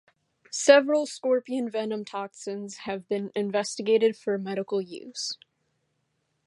Several scorpion venom toxins have been investigated for medical use.